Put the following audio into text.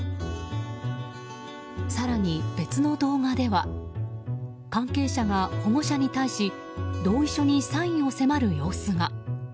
更に、別の動画では関係者が保護者に対し同意書にサインを迫る様子が。